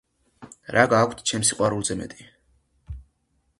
რა გაქვს ჩემს სიყვარულზე მეტი?